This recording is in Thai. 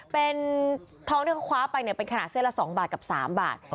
เป็นทองที่เขาคว้าไปเป็นขนาดเส้นละ๒บาทกับ๓บาท